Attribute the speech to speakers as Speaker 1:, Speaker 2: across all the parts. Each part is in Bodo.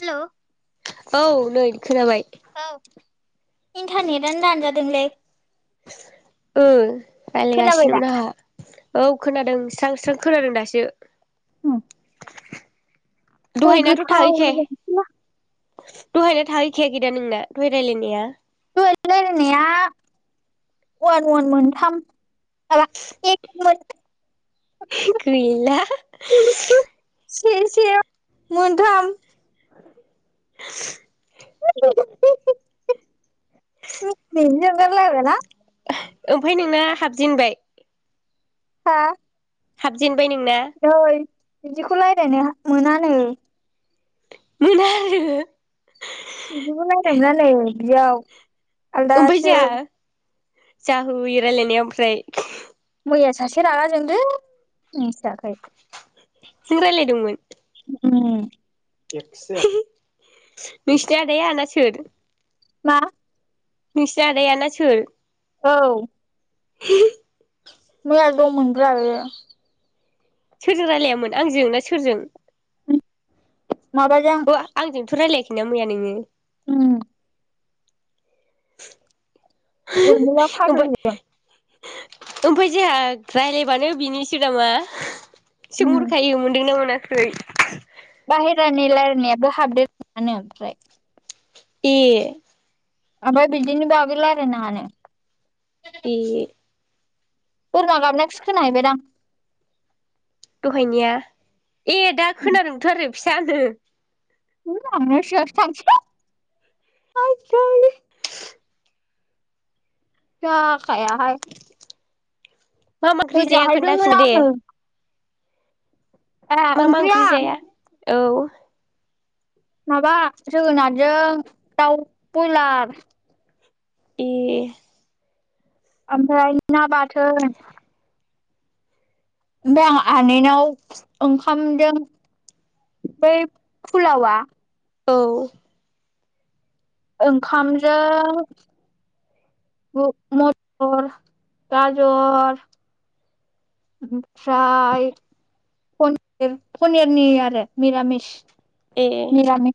Speaker 1: हेलौ
Speaker 2: [unintelligible] औ नै खोनाबाय।
Speaker 1: औ इन्टारनेटानो दानजादोंलै
Speaker 2: ओ
Speaker 1: खोनाबाय दा
Speaker 2: रायलायगासिनोमोन आंहा औ खोनादों स्रां स्रां खोनादों दासो।
Speaker 1: उम गय
Speaker 2: दहायनाथ'
Speaker 1: गोथाव
Speaker 2: थाहैखाया
Speaker 1: [unintelligible]
Speaker 2: दहायना थाहैखायाखैदा नोंना दहाय रायलायनाया?
Speaker 1: रायलायनाया वान वान मोनथाम [unintelligible]
Speaker 2: गैला
Speaker 1: मोनथाम से से मोनथाम
Speaker 2: [inaudible]
Speaker 1: [unintelligible] [unintelligible] सोंगार लायबायना?
Speaker 2: ओमफाय नोंना हाबजेनबाय?
Speaker 1: हा?
Speaker 2: हाबजेन
Speaker 1: दै बिदिखौ लाइ नोहा मोनानो
Speaker 2: मोना आरो
Speaker 1: बिदिखौ रायलाय मोनानो। बेयाव आलदासो
Speaker 2: जा होयो रायलायनाया ओमफ्राय
Speaker 1: मैया सासे रागा जोंदों मिथियाखै
Speaker 2: नों रायलायदोंमोन?
Speaker 1: उम
Speaker 2: [unintelligible] नोंसिनि आदाया ना सोर?
Speaker 1: मा?
Speaker 2: नोंसिनि आदाया ना सोर?
Speaker 1: औ
Speaker 2: [inaudible]
Speaker 1: मैया दंमोन ब्रा बियो।
Speaker 2: सोरजों रायलायामोन आंजों ना सोरजों?
Speaker 1: माबाजों
Speaker 2: अ आंजोंथ' रायलायाख ना मैया नोङो?
Speaker 1: उम [unintelligible]
Speaker 2: ओमफाय जोंहा रायलायबानो बिनोसो नामा?
Speaker 1: उम
Speaker 2: सुंरखायो मोन्दों ना मोनाख [unintelligible]
Speaker 1: बाहेरानि लायरानायाबो [unintelligible] ओमफ्राय
Speaker 2: ए
Speaker 1: आमफाय बिदिनि बागै लायरायनो हानो
Speaker 2: ए
Speaker 1: बोरमा गाबनायखोसो खोनाहैबायदां?
Speaker 2: दहायनिया ए दा खोनादोंथ आरो फिसानो
Speaker 1: [unintelligible] दा जायाहाय
Speaker 2: मा मा ओंख्रि
Speaker 1: गय
Speaker 2: जाया
Speaker 1: जाहैदोंमोन
Speaker 2: खोन्थाफिन दे
Speaker 1: आंङो ए
Speaker 2: मा मा
Speaker 1: ओंख्रिया
Speaker 2: ओंख्रि जाया औ
Speaker 1: माबा जोगोनारजों दउ बयलार
Speaker 2: ए!
Speaker 1: ओमफ्राय ना बा थोन ओमफ्राय आं आनैनाव ओंखामदों बै फुलावा
Speaker 2: औ
Speaker 1: ओंखामजों मथर गाजर ओमफ्राय पनिरनि आरो निरामिस
Speaker 2: ए
Speaker 1: निरामि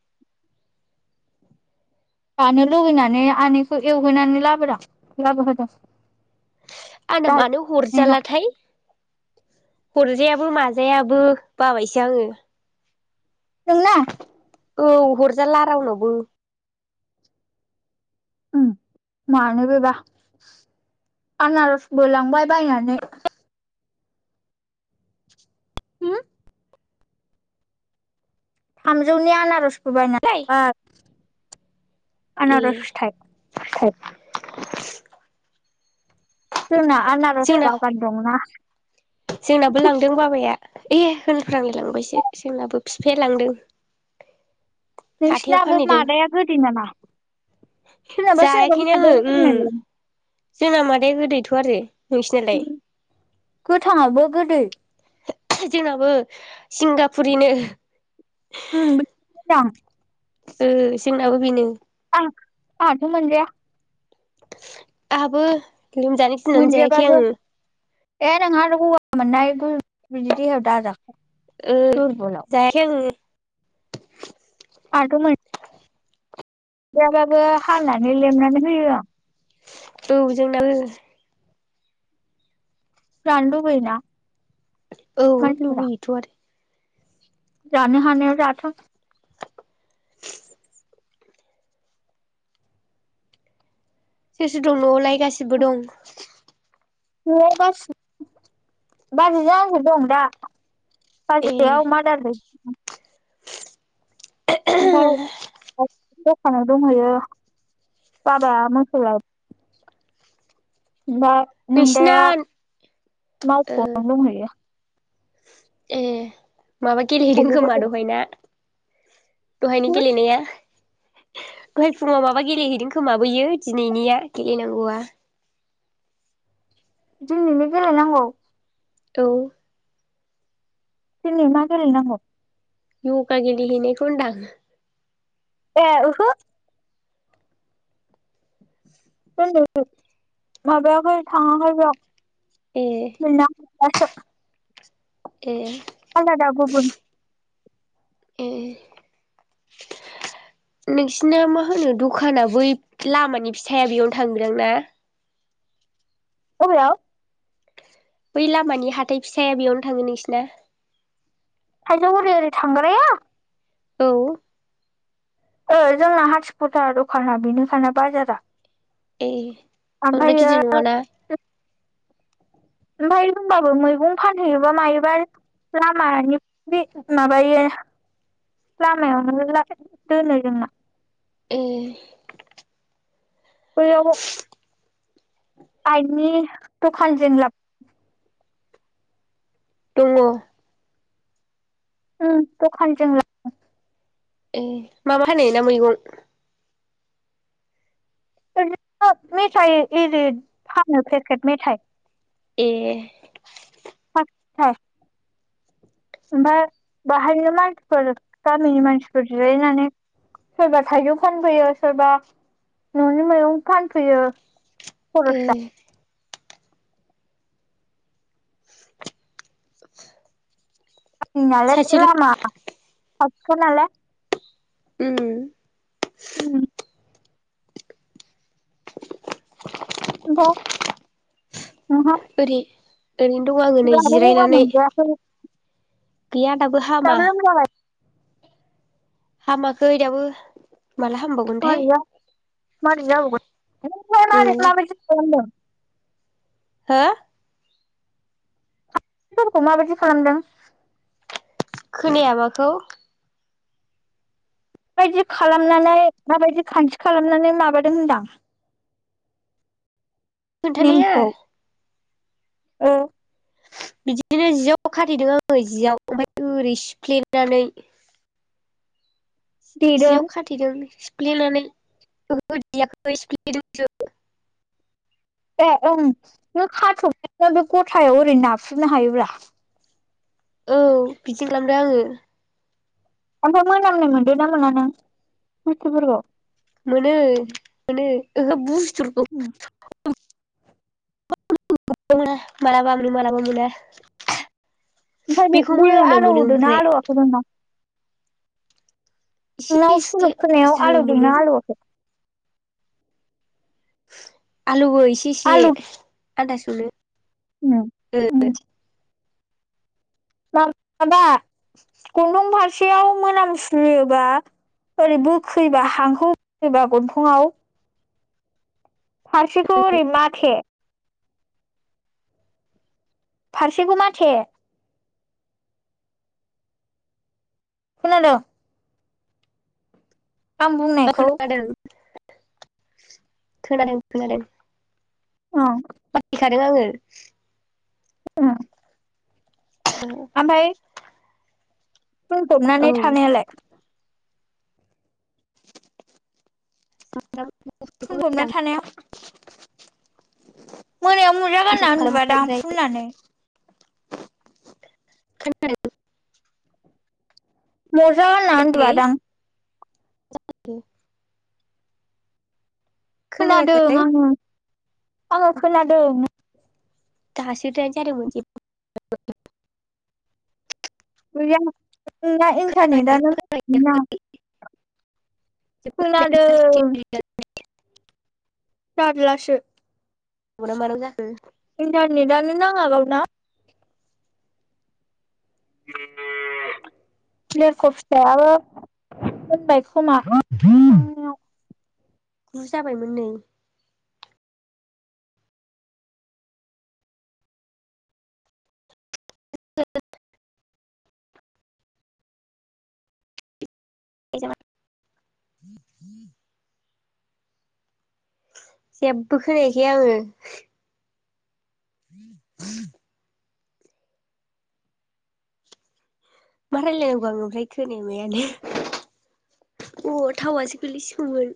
Speaker 1: जानो लुुबैनानै आनैखौ एवहैनानै लाबोदो लाबोहोदों
Speaker 2: आंना मानो
Speaker 1: नोंनाव
Speaker 2: हरजालाथाय हरजायाबो माजायाबो बाबायसो आङो।
Speaker 1: [unintelligible]
Speaker 2: औ हरजाला रावनावबो
Speaker 1: ओम मानो बेबा आनारसबो लांबाय बायनानै होम थामजौनि आनारस
Speaker 2: लाय
Speaker 1: [unintelligible]
Speaker 2: ए
Speaker 1: आनारस फिथाइ
Speaker 2: [unintelligible]
Speaker 1: जोंना आनारस
Speaker 2: जोंना
Speaker 1: बागान दं ना
Speaker 2: जोंनाबो लांदों बाबाया ए होनफ्रांलाय लांबायसो जोंनाबो बिफाया लांदों हाथायाव
Speaker 1: नोंसिनाबो
Speaker 2: फानहैदों
Speaker 1: मादाया गोदै नामा सोरनाबा सोरनाबा
Speaker 2: जायाखैनो आङो उम
Speaker 1: मादाया [unintelligible]
Speaker 2: जोंना मादाया गोदैथ' आरो नोंसिनालाय
Speaker 1: उम गोथाङाबो गोदै
Speaker 2: जोंनाबो सिंगापुरिनो
Speaker 1: [unintelligible]
Speaker 2: ओ जोंनाबो बेनो
Speaker 1: आं आंहाथ मोनजाया
Speaker 2: आहाबो लोमजानो गिनानै जायाखै आङो।
Speaker 1: जोंहा आरो गगा मोननाय बिदि दे हदा जा
Speaker 2: ओ जायखै आं
Speaker 1: आाथ' मोन जायाबाबो हानानै लेमनानै होयो आं।
Speaker 2: औ जोंनाबै
Speaker 1: जानो लुबैयोना।
Speaker 2: औ लुुबैयोथ' आरो।
Speaker 1: जानोहानायव जाथों
Speaker 2: सोर सोर दं न'आवलाय गासिबो दं।
Speaker 1: न'आव बसिब बाजै जो दं दा।
Speaker 2: ए
Speaker 1: बाजैया अमा है ओमफ्राय दखान दंहैयो बाबाया मोसौलाय ओमफ्राय
Speaker 2: नोंसिना
Speaker 1: नोंदाया
Speaker 2: ओ
Speaker 1: मावख'नो दंहैयो
Speaker 2: ए माबा
Speaker 1: थाइजौ
Speaker 2: गेलेहैदों खोमा
Speaker 1: बाजाराव
Speaker 2: दहाय ना दहायनो गेलेनाया दहाय फुङाव माबा गेलेहैदों खोमाबैयो दिनैनिया गेलेनांगौआ
Speaker 1: जोंनिनो गेलेनांगौ
Speaker 2: औ
Speaker 1: दिनि मा गेले नांगौ
Speaker 2: इउगा गेलेहैनायखौ होनदां आं
Speaker 1: ए ओहो [unintelligible] माबायाखौ थाङाखै बेयाव
Speaker 2: ए
Speaker 1: [unintelligible] [unintelligible]
Speaker 2: ए
Speaker 1: आलदादा गुबुन
Speaker 2: ए नोंसिना मा होनो दखाना बै लामानि फिथाइया बेयावनो थाङोदां ना
Speaker 1: अबेयाव
Speaker 2: बै लामानि हाथाय फिसाया बेयावनो थाङो नोंसिना
Speaker 1: थाइजौ हरै ओरै थांग्राआ
Speaker 2: औ
Speaker 1: ओ जोंना हाथिखुटा दखाना बेनोखाना बाजारा
Speaker 2: ए बांद्राय
Speaker 1: ओमफ्रायो
Speaker 2: गिदिर नङाना
Speaker 1: ओमफाय होनबाबो मैगं फानहैयोबा मायोबा लामानि बे माबायो लामायावनो दोनो जोंना
Speaker 2: ए
Speaker 1: बैयाव आइनि दखानजों लाबो
Speaker 2: दङ
Speaker 1: उम द'खानजों
Speaker 2: ए माबा फानहोयो ना मैगं
Speaker 1: मेथाइ इरि फानो फेसकेट मेथाइ
Speaker 2: ए
Speaker 1: [unintelligible] ओमफाय बाहायनो मानसिफोर गामिनि मानसिफोर जिरायनानै सोरबा थाइजौ फानफैयो सोरबा न'नि मैगं फानफैयो
Speaker 2: ए
Speaker 1: खर'सा [unintelligible]
Speaker 2: सासे
Speaker 1: लामा [unintelligible] खोनायाले
Speaker 2: उम ।
Speaker 1: उम । ओमफाय? नोंहा
Speaker 2: ओरै ओरैनो दं आङो नै
Speaker 1: लाबो गगा
Speaker 2: जिरायनानै ।
Speaker 1: मोनजायाखै
Speaker 2: गैया दाबो हामा । हामाखै दाबो ।
Speaker 1: मारैजा मारै
Speaker 2: औ
Speaker 1: जाबावगोन [unintelligible]
Speaker 2: हो?
Speaker 1: सोरखौ माबायदि खालामदों?
Speaker 2: खोनाया माखौ?
Speaker 1: माबायदि खालामनानै माबायदि खान्थि खालामनानै माबादों होनदां?
Speaker 2: खोनथानाया?
Speaker 1: औ
Speaker 2: बिदिनो जियाव खाथेदों आङो जियाव ओमफाय ओरै सिफ्लेनानै
Speaker 1: देदों
Speaker 2: जियाव खाथेदों । सिफ्लेनानै ओहो देयाखै सिफ्लेदोंसो ।
Speaker 1: ए ओं नों खाथब [unintelligible] बे ग'थायाव ओरै नाख्रुबनो हायोब्रा ।
Speaker 2: औ बिदिनो खालामदों आङो।
Speaker 1: ओमफाय मोनामनाय मोनदों ना मोना नों बुस्थुफोरखौ?
Speaker 2: मोनो मोनो । ओहो बुस
Speaker 1: उम,
Speaker 2: [unintelligible] [unintelligible] मालाबा मोनो मालाबा मोना ।
Speaker 1: ओमफाय बे बे आलौहोदों ना
Speaker 2: ओमफ्राय
Speaker 1: आलौवाखैमोन नोंनाव?
Speaker 2: एसे
Speaker 1: नोंनाव‌
Speaker 2: एसे
Speaker 1: सुलुखोनायाव
Speaker 2: ज्रो मोनो
Speaker 1: आलौदोंना आलौवाखै?
Speaker 2: आलौ ओ इसे इसे
Speaker 1: आलौ
Speaker 2: । आनदास मोनो
Speaker 1: उम,
Speaker 2: ।
Speaker 1: उम,
Speaker 2: ए [inaudible]
Speaker 1: माबा गन्थं फारसेयाव मोनामसुयोबा ओरै बोखोयोबा हांखौ [unintelligible] बा गन्थङाव फारसेखौ एरै माथे फारसेखौ माथे । खोनादों। आं
Speaker 2: औ‌
Speaker 1: बुंनायखौ
Speaker 2: खोनादों। खोनादों-खोनादों।
Speaker 1: अ।
Speaker 2: खोनाखादों आङो।
Speaker 1: ओं ओमफ्राय।
Speaker 2: औ
Speaker 1: फुंक्रुबनानै थानायालाय।
Speaker 2: सद [unintelligible]
Speaker 1: फुंखरुबना थानाया। मोनायाव मुजा
Speaker 2: गुदुं
Speaker 1: गानना
Speaker 2: खालामबाय
Speaker 1: उन्दुबायदां
Speaker 2: ओमफ्राय
Speaker 1: फुननानै।
Speaker 2: खोन [inaudible]
Speaker 1: मजा गानना उन्दुआदां।
Speaker 2: जे [inaudible]
Speaker 1: खोनादों
Speaker 2: खोनायाखै
Speaker 1: आंङो। आंङो खोनादों।
Speaker 2: दसि ज आरो मोनज [inaudible]
Speaker 1: गैया। नोंना
Speaker 2: जेबो
Speaker 1: इन्टारनेटानो मोां [inaudible] ना
Speaker 2: खोनायाखै
Speaker 1: खोनादों जारलासो।
Speaker 2: मार ज [inaudible]
Speaker 1: इन्टारनेटानो नाङाबा गावना लेरख फिथाइयाबो मोननबाय खोमा।
Speaker 2: गु जाबायमोन नै। [unintelligible] ज [inaudible] जेबो खोनायखै आङो। [unintelligible] मा रायलायनांगौ आं ओमफ्राय खोनाया मायानो अ थावासो गोलैसिगौमोन।